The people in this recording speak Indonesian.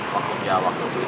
waktu dia waktu itu